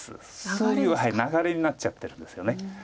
そういう流れになっちゃってるんですよね。